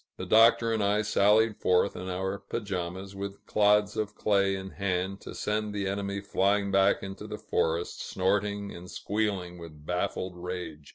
The Doctor and I sallied forth in our pajamas, with clods of clay in hand, to send the enemy flying back into the forest, snorting and squealing with baffled rage.